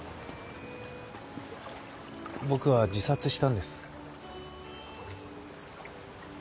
僕は自殺したんです。